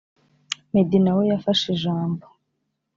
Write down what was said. Meddy nawe yafashe ijambo